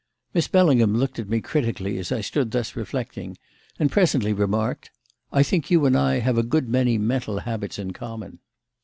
Miss Bellingham looked at me critically as I stood thus reflecting, and presently remarked, "I think you and I have a good many mental habits in common."